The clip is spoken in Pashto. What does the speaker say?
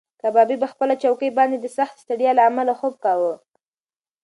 کبابي په خپله چوکۍ باندې د سختې ستړیا له امله خوب کاوه.